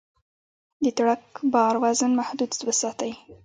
د ټرک بار وزن محدود وساتئ.